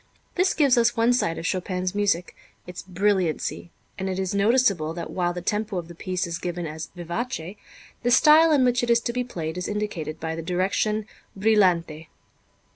This gives us one side of Chopin's music, its brilliancy; and it is noticeable that while the tempo of the piece is given as vivace, the style in which it is to be played is indicated by the direction brillante.